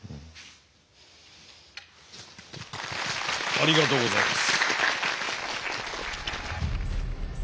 ありがとうございます。